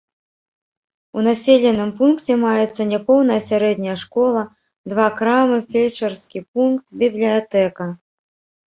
У населеным пункце маецца няпоўная сярэдняя школа, два крамы, фельчарскі пункт, бібліятэка.